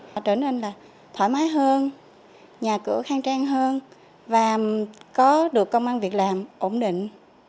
họ trở nên là thoải mái hơn nhà cửa khang trang hơn và có được công an việc làm ổn định